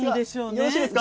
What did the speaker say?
よろしいですか。